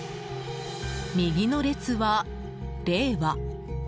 右の列は、「令和」。